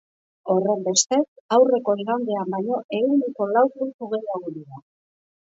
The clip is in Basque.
Horrenbestez, aurreko igandean baino ehuneko lau puntu gehiago dira.